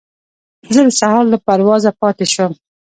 زه د سهار له پروازه پاتې شوم.